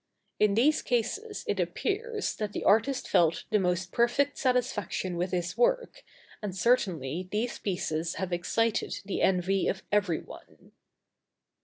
In these cases it appears, that the artist felt the most perfect satisfaction with his work, and certainly these pieces have excited the envy of every one.